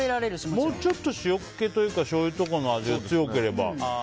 もうちょっと塩気というかしょうゆとかの味が強ければ。